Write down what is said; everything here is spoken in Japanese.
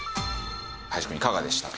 林くんいかがでしたか？